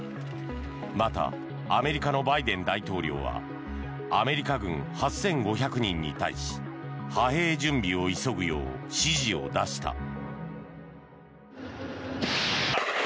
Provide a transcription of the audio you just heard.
またアメリカのバイデン大統領はアメリカ軍８５００人に対し派兵準備を急ぐよう指示を出した。